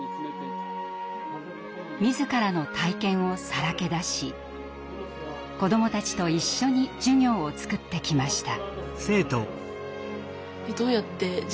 自らの体験をさらけ出し子どもたちと一緒に授業を作ってきました。